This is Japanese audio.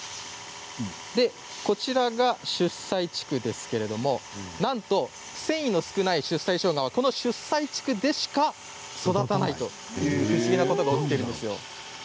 こちらが出西地区ですけれどもなんと繊維の少ない出西しょうがはこの出西地区でしか育たないという不思議なことが起きているんです。